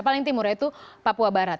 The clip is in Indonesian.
paling timur yaitu papua barat